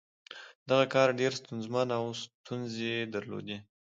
دغه کار ډېر ستونزمن و او ستونزې یې درلودې